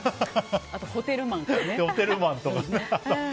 あとホテルマンかね。